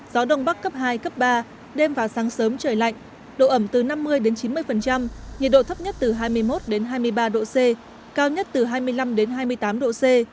gió đông bắc cấp hai cấp ba đêm và sáng sớm trời lạnh độ ẩm từ năm mươi chín mươi nhiệt độ thấp nhất từ hai mươi một hai mươi ba độ c cao nhất từ hai mươi năm hai mươi tám độ c